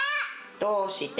・どうして！？